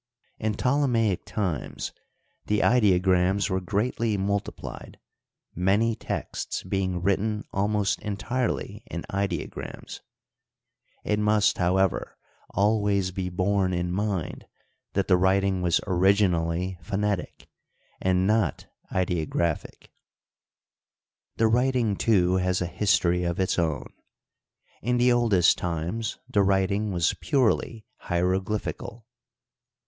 In Ptolemaic times the ideograms were greatly multiplied, many texts being written almost entirely in ideo grams. It must, however, always be borne in mind that the writing was originally /^^«^//V*, and not ideographic. Digitized byCjOOQlC IN TROD UCTOR K 15 The writing, too, has a history of its own. In the oldest times the writing was purely hieroglyphical.